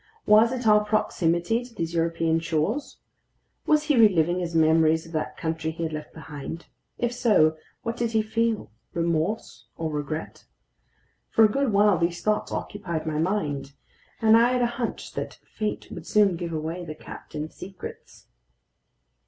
Was it our proximity to these European shores? Was he reliving his memories of that country he had left behind? If so, what did he feel? Remorse or regret? For a good while these thoughts occupied my mind, and I had a hunch that fate would soon give away the captain's secrets.